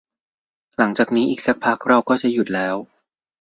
หลังจากนี้อีกสักพักเราก็จะหยุดแล้ว